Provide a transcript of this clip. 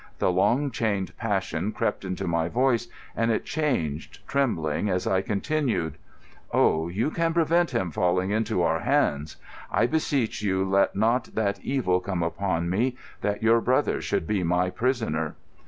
The long chained passion crept into my voice, and it changed, trembling, as I continued: "Oh, you can prevent him falling into our hands. I beseech you let not that evil come upon me that your brother should be my prisoner."